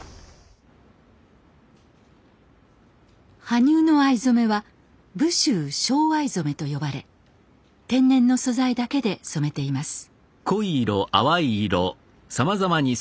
羽生の藍染めは「武州正藍染」と呼ばれ天然の素材だけで染めています。